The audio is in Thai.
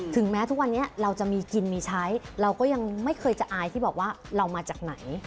ถึงแม้ทุกวันนี้เราจะมีกินมีใช้เราก็ยังไม่เคยจะอายที่บอกว่าเรามาจากไหน